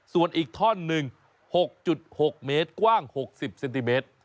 ส่วนอีกท่อนหนึ่ง๖๖เมตรกว้าง๖๐เซนติเมตร